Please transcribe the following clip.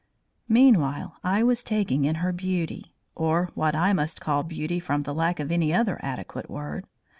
Meanwhile I was taking in her beauty, or what I must call beauty from the lack of any other adequate word.